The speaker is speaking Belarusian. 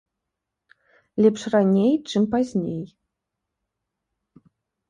Лепш раней, чым пазней.